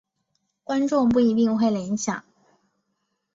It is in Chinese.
观众不一定会联想。